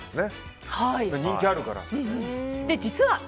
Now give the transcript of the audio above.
人気があるから。